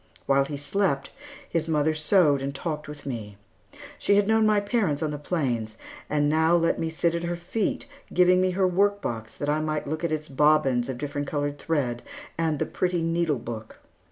While he slept, his mother sewed and talked with me. She had known my parents on the plains, and now let me sit at her feet, giving me her workbox, that I might look at its bobbins of different colored thread and the pretty needle book.